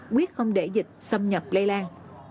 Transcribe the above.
quyết không để dịch xâm nhập lây lan